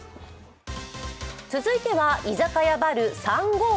続いては居酒屋バル３５０。